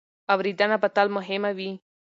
اورېدنه به تل مهمه وي.